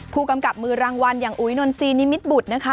ผู้กำกับมือรางวัลอย่างอุ๋ยนนซีนิมิตรบุตรนะคะ